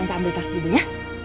mutantar cantik wrapper nya